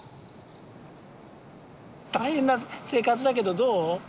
大変な生活だけどどう？